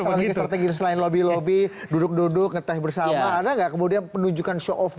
ada nggak strategi selain lobby lobby duduk duduk ngetah bersama ada nggak kemudian penunjukan show of force gitu